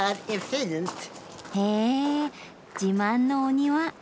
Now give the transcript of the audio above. へぇ自慢のお庭！